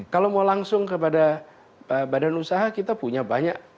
kalau mau langsung kepada badan usaha kita punya banyak